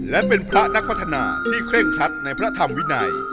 และเป็นพระนักพัฒนาที่เคร่งครัดในพระธรรมวินัย